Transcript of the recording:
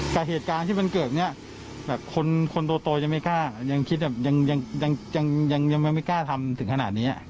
แต่เหตุการณ์ที่มันเกิดเนี่ยแบบคนโตยังไม่กล้ายังคิดยังไม่กล้าทำถึงขนาดนี้